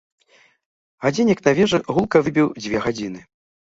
Гадзіннік на вежы гулка выбіў дзве гадзіны.